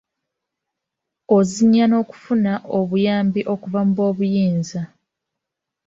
Ozinya n’okufuna obuyambi okuva mu boobuyinza.